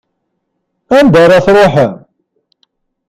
Anda ara tṛuḥem?